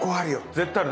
絶対ある。